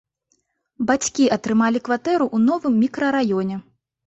Бацькі атрымалі кватэру ў новым мікрараёне.